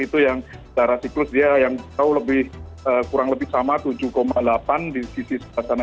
itu yang darah siklus dia yang kurang lebih sama tujuh delapan di sisi sana